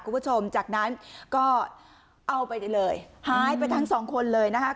คุณผู้ชมจากนั้นก็เอาไปได้เลยหายไปทั้งสองคนเลยนะคะ